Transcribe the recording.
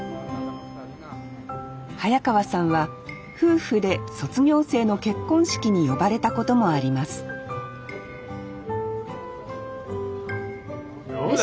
早川さんは夫婦で卒業生の結婚式に呼ばれたこともありますどうだろうね？